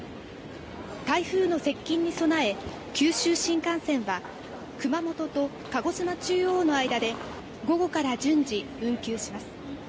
台風の接近に備え九州新幹線は熊本と鹿児島中央の間で午後から順次運休します。